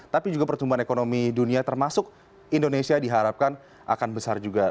tapi juga pertumbuhan ekonomi dunia termasuk indonesia diharapkan akan besar juga